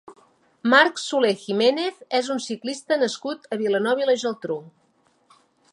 Marc Soler Giménez és un ciclista nascut a Vilanova i la Geltrú.